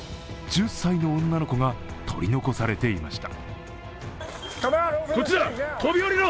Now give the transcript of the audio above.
１０歳の女の子が取り残されていました。